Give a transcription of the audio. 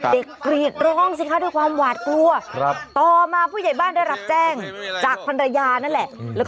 กรีดร้องสิคะด้วยความหวาดกลัวต่อมาผู้ใหญ่บ้านได้รับแจ้งจากภรรยานั่นแหละ